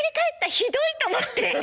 ひどいと思って。